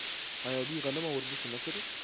آیا دوی غنم او وربشې نه کري؟